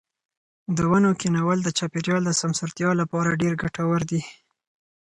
د ونو کښېنول د چاپیریال د سمسورتیا لپاره ډېر ګټور دي.